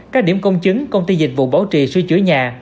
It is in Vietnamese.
các điểm công chứng công ty dịch vụ bảo trì sửa chữa nhà